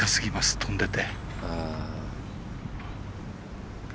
飛んでて。